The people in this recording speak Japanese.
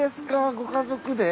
ご家族で？